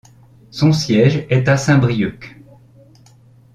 Son siège est à Saint-Brieuc.